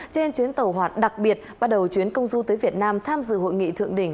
trên chuyến tàu hoạt đặc biệt bắt đầu chuyến công du tới việt nam tham dự hội nghị thượng đỉnh